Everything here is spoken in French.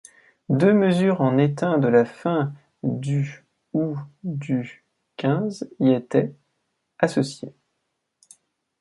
Deux mesures en étain de la fin du ou du xv y étaient associées.